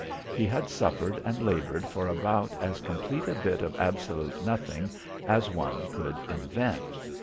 He had suffered and laboured for about as complete a bit of absolute nothing as one could invent.